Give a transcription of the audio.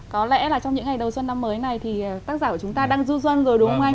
có lẽ là trong những ngày đầu xuân năm mới này thì tác giả của chúng ta đang du xuân rồi đúng không anh